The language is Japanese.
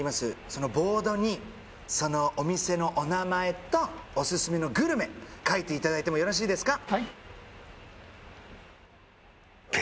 そのボードにそのお店のお名前とオススメのグルメ書いていただいてもよろしいですか？